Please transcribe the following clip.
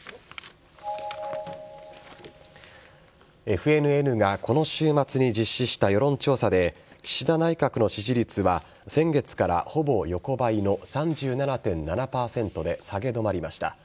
ＦＮＮがこの週末に実施した世論調査で、岸田内閣の支持率は先月からほぼ横ばいの３７．７％で下げ止まりました。